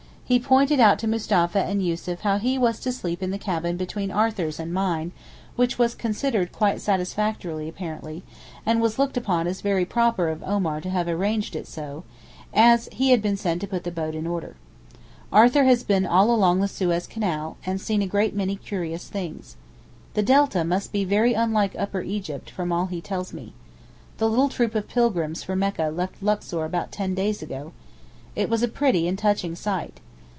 He pointed out to Mustapha and Yussuf how he was to sleep in the cabin between Arthur's and mine, which was considered quite satisfactory apparently, and it was looked upon as very proper of Omar to have arranged it so, as he had been sent to put the boat in order. Arthur has been all along the Suez Canal, and seen a great many curious things. The Delta must be very unlike Upper Egypt from all he tells me. The little troop of pilgrims for Mecca left Luxor about ten days ago. It was a pretty and touching sight.